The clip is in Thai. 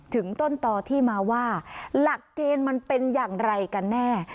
ถึงต้นต่อที่มาว่าหลักเกณฑ์มันเป็นอย่างไรกันแน่